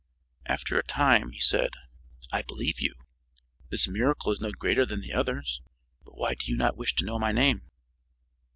After a time he said: "I believe you. This miracle is no greater than the others. But why do you not wish to know my name?"